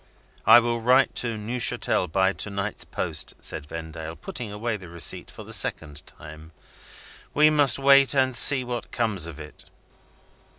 "I will write to Neuchatel by to night's post," said Vendale, putting away the receipt for the second time. "We must wait, and see what comes of it."